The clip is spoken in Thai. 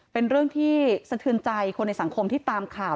เป็นเรื่องที่สะเทือนใจคนในสังคมที่ตามข่าว